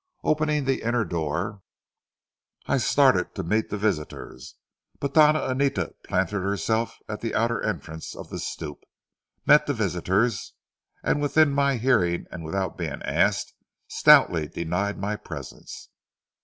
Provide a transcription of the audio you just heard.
Opening the inner door, I started to meet the visitors; but Doña Anita planted herself at the outer entrance of the stoop, met the visitors, and within my hearing and without being asked stoutly denied my presence.